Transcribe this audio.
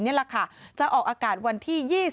นี่แหละค่ะจะออกอากาศวันที่๒๒